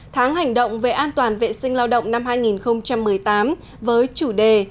tháng hành động về an toàn vệ sinh lao động năm hai nghìn một mươi tám với chủ đề